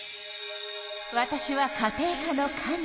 わたしは家庭科の神。